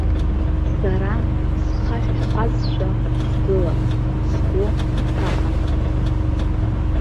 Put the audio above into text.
Сара схаҳәхазшәа сгылан, сгәы ҭаҳан.